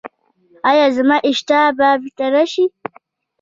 ایا زما اشتها به بیرته راشي؟